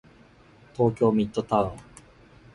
東京ミッドタウン